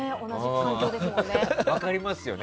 分かりますよね。